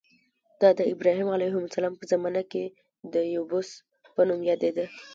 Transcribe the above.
دا د ابراهیم علیه السلام په زمانه کې د یبوس په نوم یادېده.